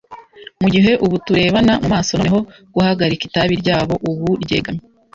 mugihe, ubu turebana mumaso, noneho guhagarika itabi ryabo, ubu ryegamye